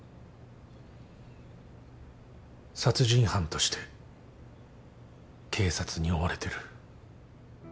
殺人犯として警察に追われてる。